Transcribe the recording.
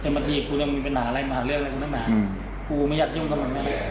เช่นเมื่อกี้คุณมันมีปัญหาอะไรมาเรื่องอะไรมันมีปัญหาคุณไม่อยากยุ่งกับผมเลย